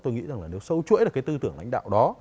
tôi nghĩ rằng là nếu sâu chuỗi được cái tư tưởng lãnh đạo đó